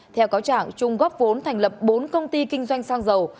theo cáo trạng trung góp vốn thành lập bốn công ty kinh doanh xăng dầu